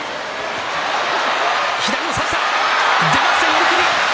寄り切り。